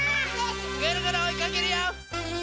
ぐるぐるおいかけるよ！